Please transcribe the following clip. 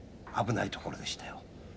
危ないところでしたよ。